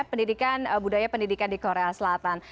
pendidikan budaya pendidikan di korea selatan